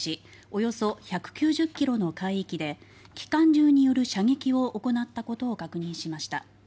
およそ１９０ｋｍの海域で機関銃による射撃を行ったことを確認しました。